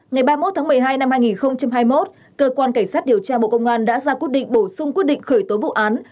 ngày ba mươi một tháng một mươi hai năm hai nghìn hai mươi một cơ quan cảnh sát điều tra bộ công an đã ra quyết định bổ sung quyết định khởi tố vụ án